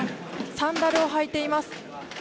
サンダルを履いています。